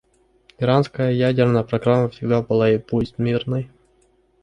Иранская ядерная программа всегда была и будет мирной.